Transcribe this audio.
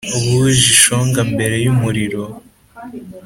buje ishonga mbere yumuriro,